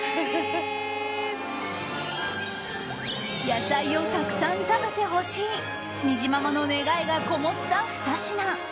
野菜をたくさん食べてほしい。にじままの願いがこもった２品。